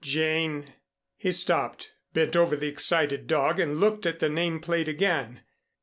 Jane ? He stopped, bent over the excited dog and looked at the name plate again.